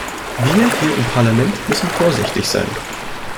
Wir hier im Parlament müssen vorsichtig sein.